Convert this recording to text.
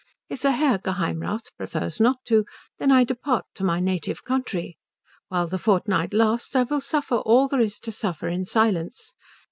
If the Herr Geheimrath prefers not to, then I depart to my native country. While the fortnight lasts I will suffer all there is to suffer in silence.